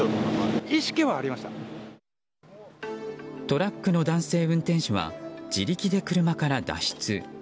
トラックの男性運転手は自力で車から脱出。